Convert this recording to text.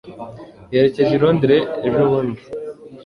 yerekeje i londres ejobundi